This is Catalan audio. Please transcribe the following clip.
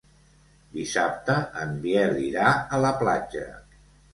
Dissabte en Biel irà a la platja.